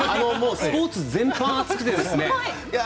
スポーツ全般に熱くてですね。